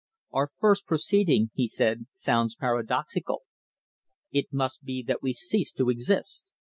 "Our first proceeding," he said, "sounds paradoxical. It must be that we cease to exist.